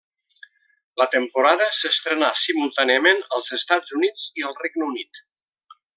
La temporada s'estrenà simultàniament als Estats Units i al Regne Unit.